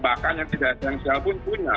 bahkan yang tidak esensial pun punya